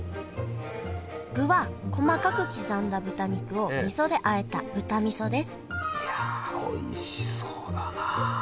具は細かく刻んだ豚肉を味噌であえた豚味噌ですいやおいしそうだな。